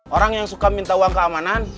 orang yang suka minta uang keamanan